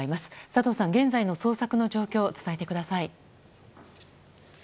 佐藤さん、現在の捜索の状況を伝えてください。